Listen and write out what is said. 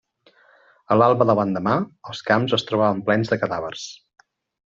A l'alba de l'endemà, els camps es trobaven plens de cadàvers.